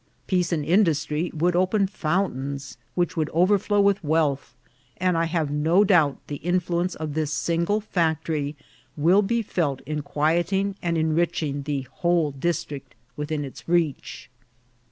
Peace and industry would open fountains which would overflow with wealth; and I have no doubt the influ ence of this single factory will be felt in quieting and enriching the whole district within its reach.